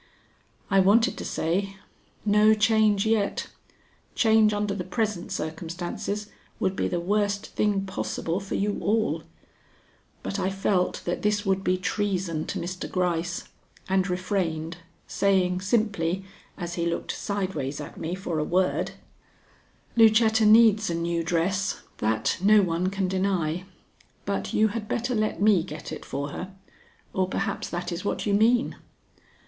I wanted to say, "No change yet; change under the present circumstances would be the worst thing possible for you all," but I felt that this would be treason to Mr. Gryce, and refrained, saying simply, as he looked sideways at me for a word: "Lucetta needs a new dress. That no one can deny. But you had better let me get it for her, or perhaps that is what you mean."